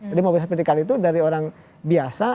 jadi mobilitas vertikal itu dari orang biasa